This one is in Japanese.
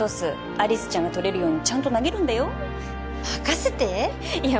有栖ちゃんが取れるようにちゃんと投げるんだよ任せていや